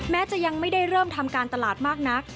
แม้จะยังไม่ได้เริ่มทำการตลาดมากนัก